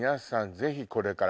ぜひこれから。